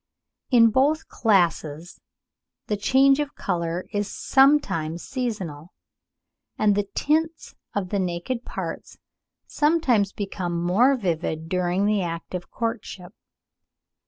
In both classes the change of colour is sometimes seasonal, and the tints of the naked parts sometimes become more vivid during the act of courtship.